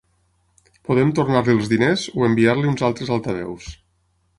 Podem tornar-li els diners o enviar-li uns altres altaveus.